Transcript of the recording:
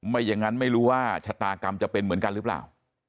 ไม่อย่างนั้นไม่รู้ว่าชะตากรรมจะเป็นเหมือนกันหรือเปล่า